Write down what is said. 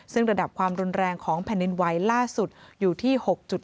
ซึ่งระดับความรุนแรงของแผ่นดินไหวล่าสุดอยู่ที่๖๗